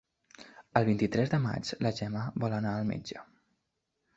El vint-i-tres de maig na Gemma vol anar al metge.